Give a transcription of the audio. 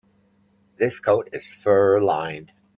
This coat is fur-lined.